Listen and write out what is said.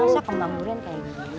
masa kemengguran kayak gini